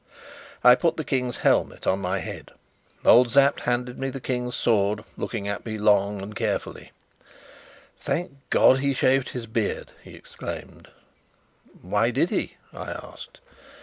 I put the King's helmet on my head. Old Sapt handed me the King's sword, looking at me long and carefully. "Thank God, he shaved his beard!" he exclaimed. "Why did he?" I asked.